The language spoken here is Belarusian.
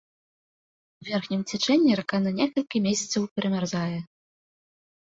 У верхнім цячэнні рака на некалькі месяцаў перамярзае.